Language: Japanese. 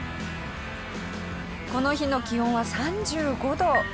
この日の気温は３５度。